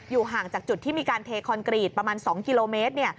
ห่างจากจุดที่มีการเทคอนกรีตประมาณ๒กิโลเมตร